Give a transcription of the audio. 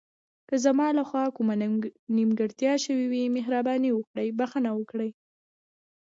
که زما له خوا کومه نیمګړتیا شوې وي، مهرباني وکړئ بښنه وکړئ.